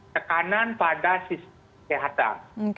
tekanan pada kesehatan